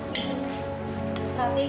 masuk keeper lagi nih ini